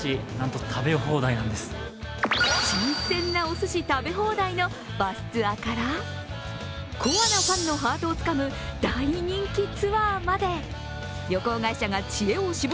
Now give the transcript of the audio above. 新鮮なおすし食べ放題のバスツアーからコアなファンのハートをつかむ大人気ツアーまで。